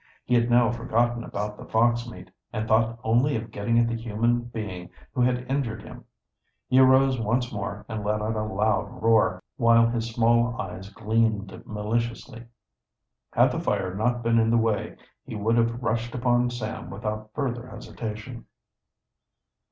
He had now forgotten about the fox meat, and thought only of getting at the human being who had injured him. He arose once more and let out a loud roar, while his small eyes gleamed maliciously. Had the fire not been in the way he would have rushed upon Sam without further hesitation.